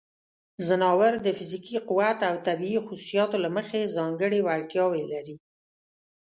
ځناور د فزیکي قوت او طبیعی خصوصیاتو له مخې ځانګړې وړتیاوې لري.